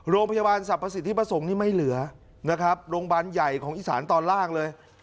โรงพยาบาลสรรพสิทธิประสงค์นี่ไม่เหลือนะครับโรงพยาบาลใหญ่ของอีสานตอนล่างเลย